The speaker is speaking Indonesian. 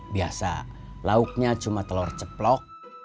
biasa lauknya cuma telur ceplok